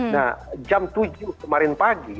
nah jam tujuh kemarin pagi